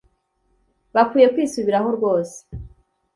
Bakwiye kwisubiraho rwose